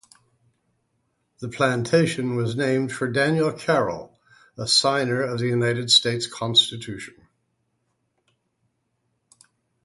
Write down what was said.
The plantation was named for Daniel Carroll, a signer of the United States Constitution.